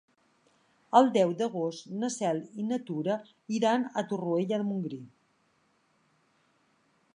El deu d'agost na Cel i na Tura iran a Torroella de Montgrí.